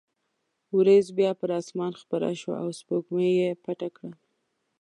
وریځ بیا پر اسمان خپره شوه او سپوږمۍ یې پټه کړه.